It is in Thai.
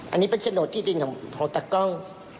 อันนี้เป็นโฉนดที่ดินของตากล้อง